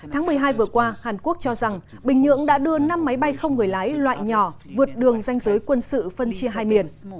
tháng một mươi hai vừa qua hàn quốc cho rằng bình nhưỡng đã đưa năm máy bay không người lái loại nhỏ vượt đường danh giới quân sự phân chia hai miền